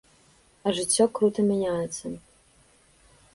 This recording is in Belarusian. А жыццё крута мяняецца.